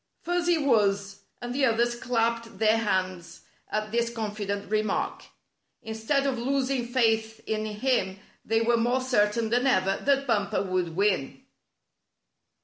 F uzzy Wuzz and the others clapped their hands at this confident remark. Instead of losing faith in him they were more certain than ever that Bumper would win.